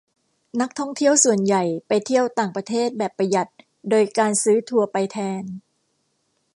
นักท่องเที่ยวส่วนใหญ่ไปเที่ยวต่างประเทศแบบประหยัดโดยการซื้อทัวร์ไปแทน